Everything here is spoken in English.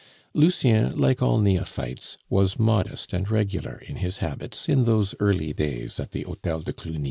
Lucien, like all neophytes, was modest and regular in his habits in those early days at the Hotel de Cluny.